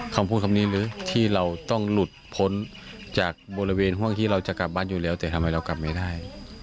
คำพูดคำนี้หรือที่เราต้องหลุดพ้นจากบริเวณห่วงที่เราจะกลับบ้านอยู่แล้วแต่ทำไมเรากลับไม่ได้